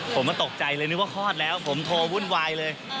มาตกใจเลยนึกว่าคลอดแล้วผมโทรวุ่นวายเลย